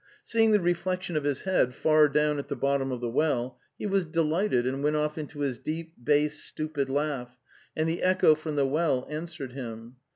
Seeing the reflection of his head far down at the bottom of the well, he was delighted and went off into his deep bass stupid laugh, and the echo from the well an swered him.